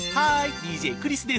ＤＪクリスです。